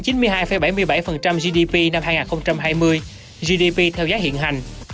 gdp năm hai nghìn hai mươi gdp theo giá hiện hành